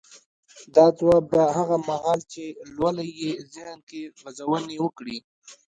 دا ځواب به هغه مهال چې لولئ يې ذهن کې غځونې وکړي.